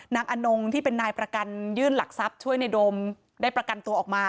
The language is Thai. อนงที่เป็นนายประกันยื่นหลักทรัพย์ช่วยในโดมได้ประกันตัวออกมา